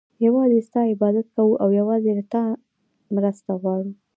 يوازي ستا عبادت كوو او يوازي له تا مرسته غواړو